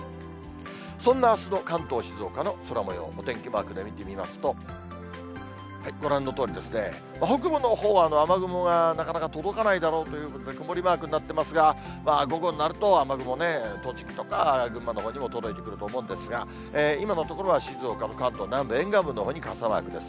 そんなあすの関東、静岡の空もよう、お天気マークで見てみますと、ご覧のとおりですね、北部のほうは雨雲がなかなか届かないだろうということで、曇りマークになっていますが、午後になると雨雲ね、栃木とか群馬のほうにも届いてくると思うんですが、今のところは静岡と関東南部、沿岸部のほうに傘マークです。